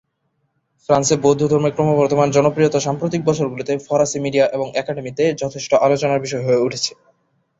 ফ্রান্সে বৌদ্ধ ধর্মের ক্রমবর্ধমান জনপ্রিয়তা সাম্প্রতিক বছরগুলিতে ফরাসি মিডিয়া এবং একাডেমিতে যথেষ্ট আলোচনার বিষয় হয়ে উঠেছে।